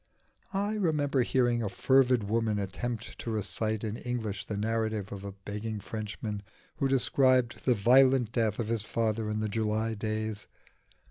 I remember hearing a fervid woman attempt to recite in English the narrative of a begging Frenchman who described the violent death of his father in the July days.